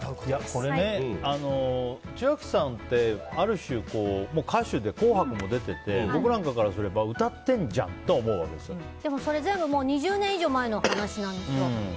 これ、千秋さんってある種、歌手で「紅白」も出てて僕なんかすれば僕なんかからすれば歌ってんじゃんってでも、それ全部２０年以上前の話なんですよ。